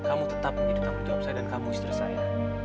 kamu tetap menjadi tanggung jawab saya dan kamu istri saya